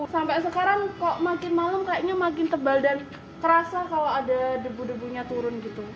sampai sekarang kok makin malam kayaknya makin tebal dan kerasa kalau ada debu debunya turun gitu